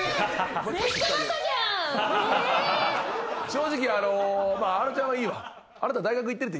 正直あのちゃんはいいわ。